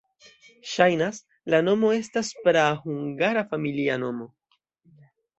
Ŝajnas, la nomo estas praa hungara familia nomo.